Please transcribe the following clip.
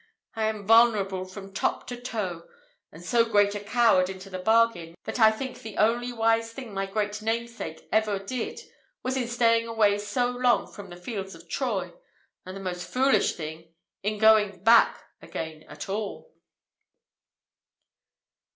I am vulnerable from top to toe; and so great a coward into the bargain, that I think the only wise thing my great namesake ever did, was in staying away so long from the fields of Troy; and the most foolish thing in going back again at all."